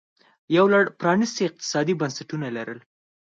یو لړ پرانیستي اقتصادي بنسټونه یې لرل